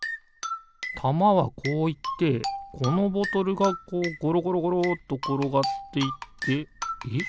たまはこういってこのボトルがこうゴロゴロゴロっところがっていってえっ